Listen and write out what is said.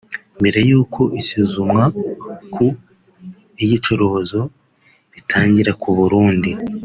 Mbere y’uko isuzumwa ku iyicarubozo ritangira ku Burundi